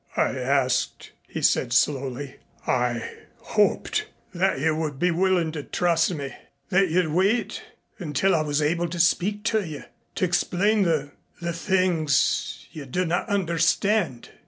"I asked " he said slowly, "I hoped that you would be willin' to trust me that you'd wait until I was able to speak to you to explain the the things you do not understand."